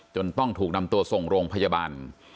ต้องถูกนำตัวส่งโรงพยาบาล